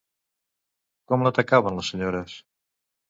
Com l'atacaven les senyores?